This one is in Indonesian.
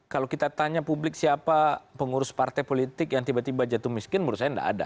kalau kita tanya publik siapa pengurus partai politik yang tiba tiba jatuh miskin menurut saya tidak ada